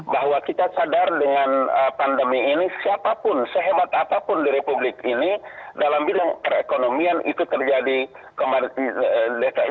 bahwa kita sadar dengan pandemi ini siapapun sehebat apapun di republik ini dalam bilang perekonomian itu terjadi kemarin